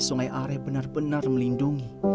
sungai areh benar benar melindungi